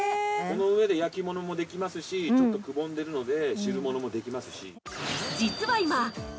この上で焼きものもできますしちょっとくぼんでるので汁ものもできますし。